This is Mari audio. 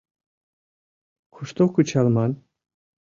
Кушто кычалман?..